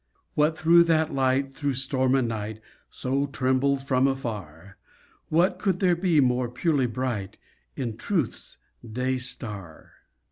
What though that light, thro' storm and night, So trembled from afar— What could there be more purely bright In Truth's day star?